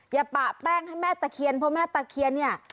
อย่าปะแป้งให้แม่ตะเคียนเพราะแม่ตะเคียนเนี่ย